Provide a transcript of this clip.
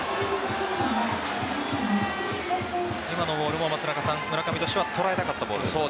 今のボールも村上としては捉えたかったボールですか？